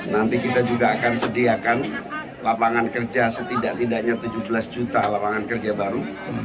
nanti kita juga akan sediakan lapangan kerja setidak tidaknya tujuh belas juta lapangan kerja baru